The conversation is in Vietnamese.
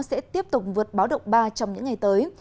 sẽ tiếp tục vượt báo động ba trong những ngày tới